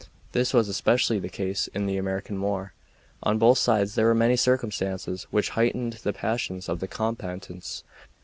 This was especially the case in the American war. On both sides there were many circumstances which heightened the passions of the combatants.